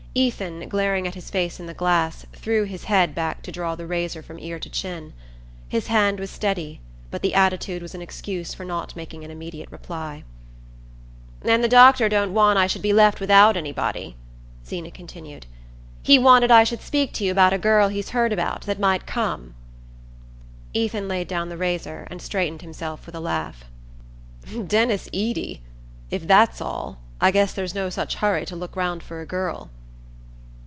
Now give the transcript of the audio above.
Ethan, glaring at his face in the glass, threw his head back to draw the razor from ear to chin. His hand was steady, but the attitude was an excuse for not making an immediate reply. "And the doctor don't want I should be left without anybody," Zeena continued. "He wanted I should speak to you about a girl he's heard about, that might come " Ethan laid down the razor and straightened himself with a laugh. "Denis Eady! If that's all, I guess there's no such hurry to look round for a girl."